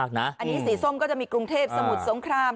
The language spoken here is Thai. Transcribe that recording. อันนี้สีส้มก็จะมีกรุงเทพสมุทรสงคราม